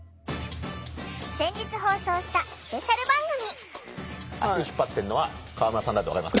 先月放送したスペシャル番組。